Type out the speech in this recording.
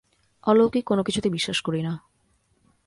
অলৌকিক কোনো কিছুতে বিশ্বাস করি না।